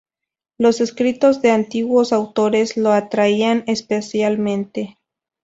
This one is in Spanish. Los escritos de antiguos autores lo atraían especialmente.